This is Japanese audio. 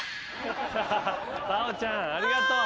太鳳ちゃんありがとう。